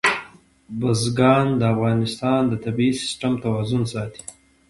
بزګان د افغانستان د طبعي سیسټم توازن ساتي.